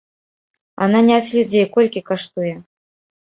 А наняць людзей колькі каштуе?